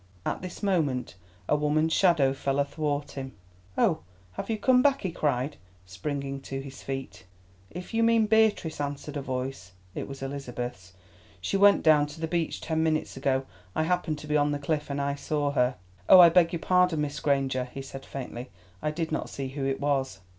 At this moment a woman's shadow fell athwart him. "Oh, have you come back?" he cried, springing to his feet. "If you mean Beatrice," answered a voice—it was Elizabeth's—"she went down to the beach ten minutes ago. I happened to be on the cliff, and I saw her." "Oh, I beg your pardon, Miss Granger," he said faintly. "I did not see who it was."